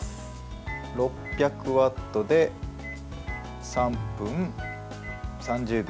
６００ワットで３分３０秒。